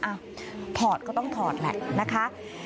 อ่ะถอดก็ต้องถอดแหละนะคะ